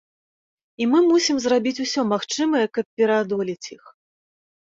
І мы мусім зрабіць усё магчымае, каб пераадолець іх.